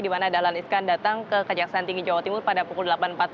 dimana dalan iskan datang ke kajaksan tinggi jawa timur pada pukul delapan empat puluh